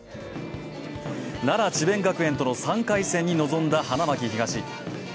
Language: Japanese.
奈良・智弁学園との３回戦に臨んだ花巻東。